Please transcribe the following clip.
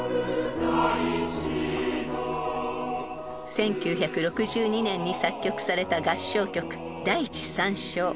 ［１９６２年に作曲された合唱曲『大地讃頌』］